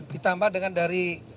ditambah dengan dari